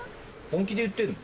本気で言ってんの？